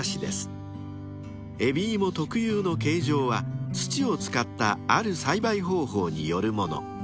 ［海老芋特有の形状は土を使ったある栽培方法によるもの］